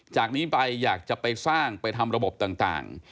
จากนี้ไปอยากจะไปสร้างไปทำระบบต่าง